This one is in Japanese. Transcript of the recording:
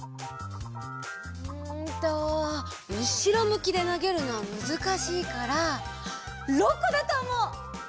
うんとうしろむきでなげるのはむずかしいから６こだとおもう！